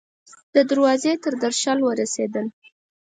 د دروازې تر درشل ورسیدل